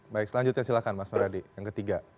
baik selanjutnya silahkan mas muradi yang ketiga